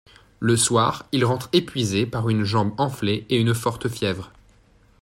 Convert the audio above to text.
Le soir il rentre épuisé avec une jambe enflée et une forte fièvre.